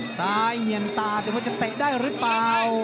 เหงียนตาแต่ว่าจะเตะได้หรือเปล่า